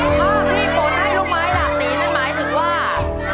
ถ้าพี่ฝนให้ลูกไม้หลากสีนั่นหมายถึงว่า